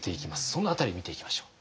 その辺り見ていきましょう。